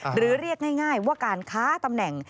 หรือเรียกง่ายว่าการค้าตำแหน่ง